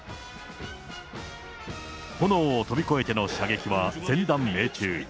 炎を飛び越えての射撃は、全弾命中。